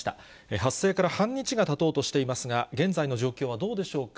発生から半日がたとうとしていますが、現在の状況はどうでしょうか。